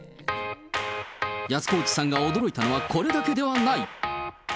安河内さんが驚いたのは、これだけではない。